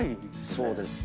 そうですね。